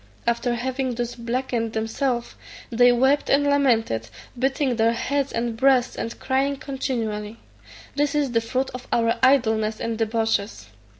After having thus blackened themselves, they wept and lamented, beating their heads and breasts, and crying continually, "This is the fruit of our idleness and debauches."